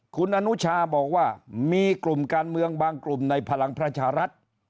คุณอนุชาบอกว่ามีกลุ่มการเมืองบางกลุ่มในพลังประชารัฐ